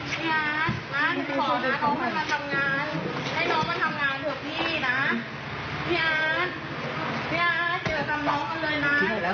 ให้น้องทำงานนะ